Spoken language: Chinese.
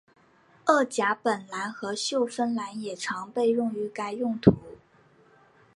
二甲苯蓝和溴酚蓝也常被用于该用途。